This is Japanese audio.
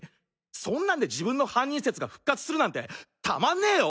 そんなんで自分の犯人説が復活するなんてたまんねえよ！